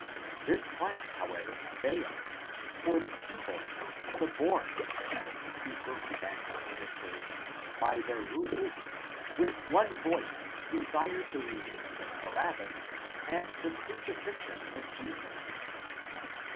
This plan however failed, for the people, suborned, as the two first Evangelists observe, by their rulers, with one voice desired the release of Barabbas and the crucifixion of Jesus.